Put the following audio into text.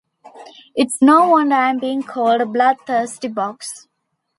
It's no wonder I'm being called 'Bloodthirsty Box'.